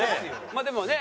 まあでもね